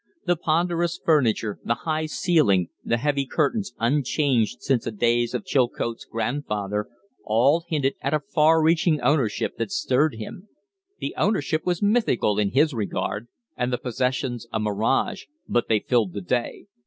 The ponderous furniture, the high ceiling, the heavy curtains, unchanged since the days of Chilcote's grandfather, all hinted at a far reaching ownership that stirred him. The ownership was mythical in his regard, and the possessions a mirage, but they filled the day.